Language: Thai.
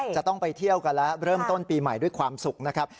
จะต้องไปเที่ยวกันแล้วเริ่มต้นปีใหม่ด้วยความสุขนะครับ